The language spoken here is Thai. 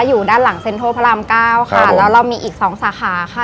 อยู่ด้านหลังเซ็นทรัลพระรามเก้าค่ะแล้วเรามีอีกสองสาขาค่ะ